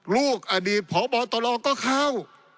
ลูกอดีตพบตรก็เข้า